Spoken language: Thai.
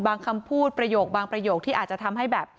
คำพูดประโยคบางประโยคที่อาจจะทำให้แบบ